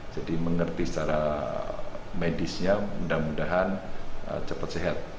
jadi mengerti secara medisnya mudah mudahan cepat sehat